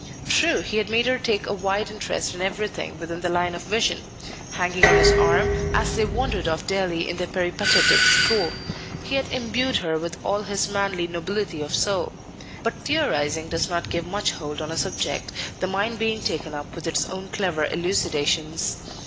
True, he had made her take a wide interest in everything within the line of vision; hanging on his arm, as they wandered off daily in their peripatetic school, he had imbued her with all his manly nobility of soul. But theorizing does not give much hold on a subject, the mind being taken up with its own clever elucidations.